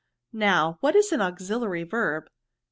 " Now, what is an auxiliary verb?"